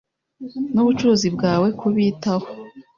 Nubucuruzi bwawe kubitaho.